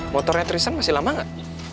motornya tristan masih lama gak